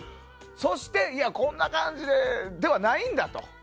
そしてこんな感じではないんだと。